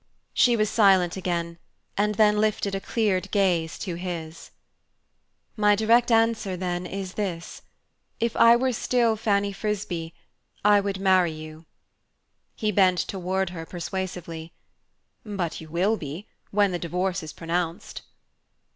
She was silent again, and then lifted a cleared gaze to his. "My direct answer then is: if I were still Fanny Frisbee I would marry you." He bent toward her persuasively. "But you will be when the divorce is pronounced."